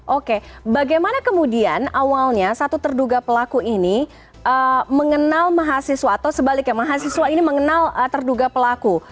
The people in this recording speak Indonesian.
oke bagaimana kemudian awalnya satu terduga pelaku ini mengenal mahasiswa atau sebaliknya mahasiswa ini mengenal terduga pelaku